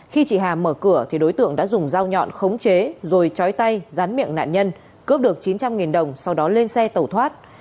khi chị hà mở cửa thì đối tượng đã dùng dao nhọn khống chế rồi trói tay rán miệng nạn nhân cướp được chín trăm linh đồng sau đó lên xe tẩu thoát